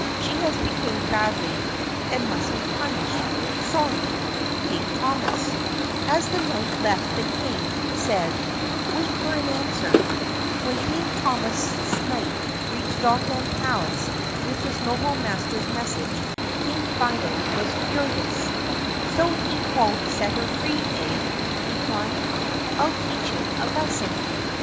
She has behaved badly and must be punished. Sorry. 104 King Thomas. War Declared on Tabbyland io6 THE PUSSYCAT PRINCESS As the knight left the King said, "Wait for an answer." When King Thomas's knight reached Dogland Palace with his noble master's message King Fido was furious. "So he won't set her free, eh?" he cried. "I'll teach him a lesson!